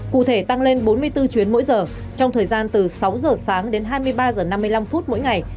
cụ thể tăng lên bốn mươi bốn chuyến mỗi giờ trong thời gian từ sáu giờ sáng đến hai mươi ba h năm mươi năm phút mỗi ngày